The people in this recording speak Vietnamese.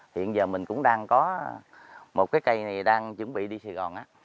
hiện giờ mình cũng đang có một cái cây này đang chuẩn bị đi sài gòn á